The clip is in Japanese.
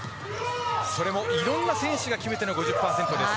それもいろんな選手が決めての５０％です。